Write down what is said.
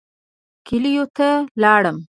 کلیو ته لاړم.